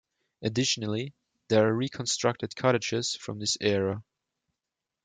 Additionally, there are reconstructed cottages from this era.